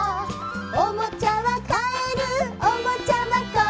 「おもちゃはかえるおもちゃばこ」